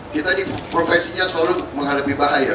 kita ini profesinya selalu menghadapi bahaya